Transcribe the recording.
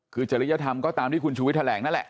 คือจริยธรรมก็ตามที่คุณชูวิทแถลงนั่นแหละ